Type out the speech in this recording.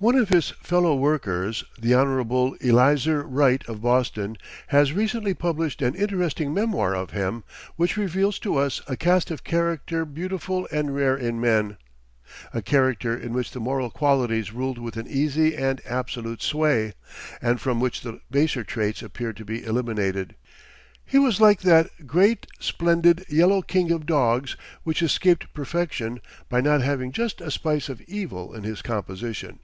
One of his fellow workers, the Hon. Elizur Wright, of Boston, has recently published an interesting memoir of him, which reveals to us a cast of character beautiful and rare in men; a character in which the moral qualities ruled with an easy and absolute sway, and from which the baser traits appeared to be eliminated. He was like that great, splendid, yellow king of dogs which escaped perfection by not having just a spice of evil in his composition.